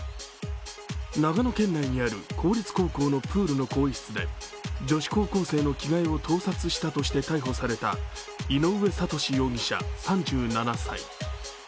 長野県内にある公立高校のプールの更衣室で女子高校生の着替えを盗撮したとして逮捕された井上悟志容疑者３７歳。